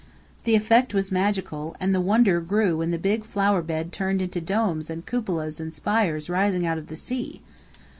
The effect was magical, and the wonder grew when the big flower bed turned into domes and cupolas and spires rising out of the sea.